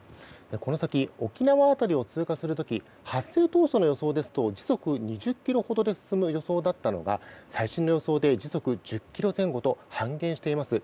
この先、沖縄辺りを通過する時発生当初の予想ですと時速２０ｋｍほどで進む予想だったのが最新の予想で時速１０ｋｍ前後と半減しています。